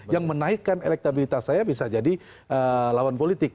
yang menaikkan elektabilitas saya bisa jadi lawan politik